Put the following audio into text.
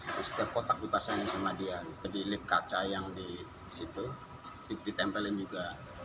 terus setiap kotak dipasangin sama dia di lip kaca yang di situ ditempelin juga